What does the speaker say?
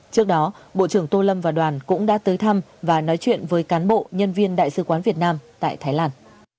trước đó bộ trưởng tô lâm và đoàn cũng đã tới thăm và nói chuyện với cán bộ nhân viên đại sứ quán việt nam tại thái lan